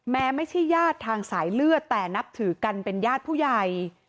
ไม่ใช่ญาติทางสายเลือดแต่นับถือกันเป็นญาติผู้ใหญ่